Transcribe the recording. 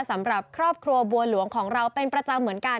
สำหรับครอบครัวบัวหลวงของเราเป็นประจำเหมือนกัน